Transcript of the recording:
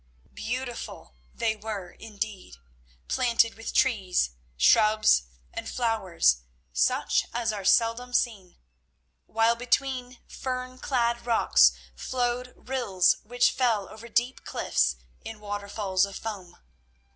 Beautiful they were indeed, planted with trees, shrubs, and flowers such as are seldom seen, while between fern clad rocks flowed rills which fell over deep cliffs in waterfalls of foam.